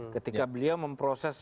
ketika beliau memproses